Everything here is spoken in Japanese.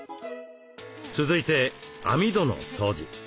続いて網戸の掃除。